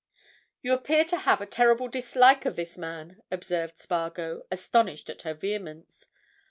"You appear to have a terrible dislike of this man," observed Spargo, astonished at her vehemence.